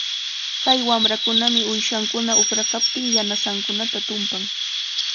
Kay wamrakunami uyshankuna uqranqanpita yanasankunata tumpan.